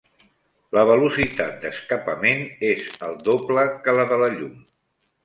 La velocitat d'escapament és el doble que la de la llum.